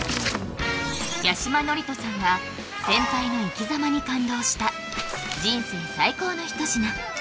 八嶋智人さんが先輩の生きざまに感動した人生最高の一品